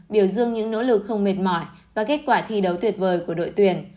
biểu dương những nỗ lực không mệt mỏi và kết quả thi đấu tuyệt vời của đội tuyển